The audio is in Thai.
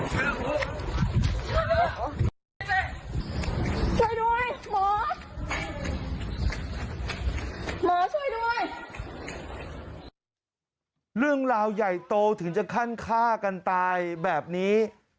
คือต้นเลือกมันมีแค่ว่าแย่งตัดหน้ากันจะช่วยเหลือประชาชนเหรอ